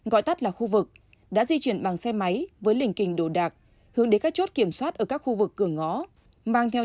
gọi tắt là khu vực đã di chuyển bằng xe máy với lình kình đổ đạc hướng đến các chốt kiểm soát ở các khu vực cửa ngõ